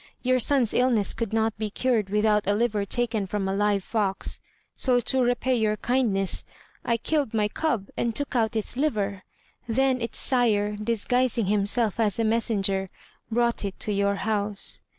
Your son's illness could not be cured without a liver taken from a live fox, so to repay your kindness I killed my cub and took out its liver; then its sire, disguising himself as a messenger, brought it to your house."